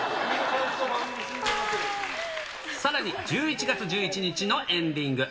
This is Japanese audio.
さらに１１月１１日のエンディング。